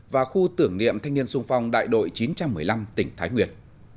và khu tưởng niệm thanh niên sung phong đại đội chín trăm một mươi năm tỉnh thái nguyên